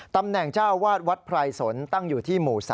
ตำแหน่งเจ้าวาดวัดไพรสนตั้งอยู่ที่หมู่๓